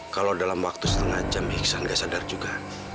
kalau dalam waktu setengah jam iksan gak sadar juga